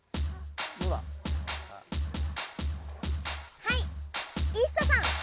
はいＩＳＳＡさん。